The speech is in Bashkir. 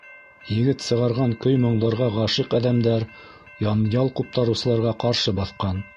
Егет сығарған көй-моңдарға ғашиҡ әҙәмдәр янъял ҡуптарыусыларға ҡаршы баҫҡан.